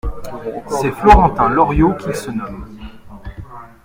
C'est Florentin Loriot qu'il se nomme.